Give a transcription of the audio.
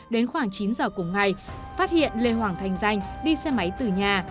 đến khoảng chín h cùng ngày phát hiện lê hoàng thanh danh đi xe máy từ nhà